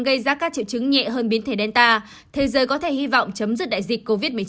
gây ra các triệu chứng nhẹ hơn biến thể delta thế giới có thể hy vọng chấm dứt đại dịch covid một mươi chín